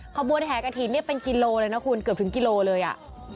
ขบวนแห่กระถิ่นเนี่ยเป็นกิโลเลยนะคุณเกือบถึงกิโลเลยอ่ะ